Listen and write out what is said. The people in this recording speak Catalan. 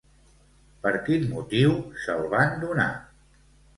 Per quin motiu se'l van donar?